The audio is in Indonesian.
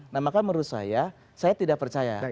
nah maka menurut saya saya tidak percaya